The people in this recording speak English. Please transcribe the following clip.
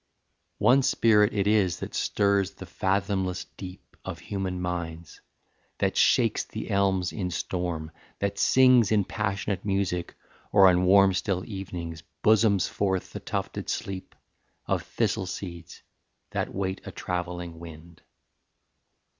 V. One spirit it is that stirs the fathomless deep Of human minds, that shakes the elms in storm, That sings in passionate music, or on warm Still evenings bosoms forth the tufted sleep Of thistle seeds that wait a travelling wind.